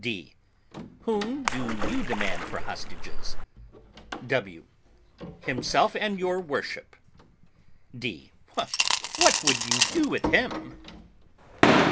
D. Whom do you demand for hostages? W. Himself and your worship. D. What would you do with him?